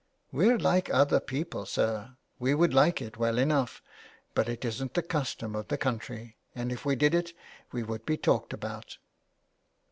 *' We're like other people, sir. We would like it well enough, but it isn't the custom of the country, and if we did it we would be talked about."